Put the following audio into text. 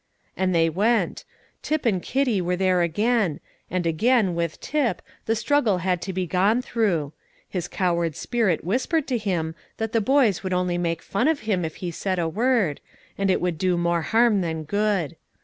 And they went. Tip and Kitty were there again; and again, with Tip, the struggle had to be gone through; his coward spirit whispered to him that the boys would only make fun of him if he said a word, and it would do more harm than good.